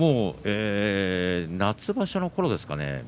夏場所のころですかね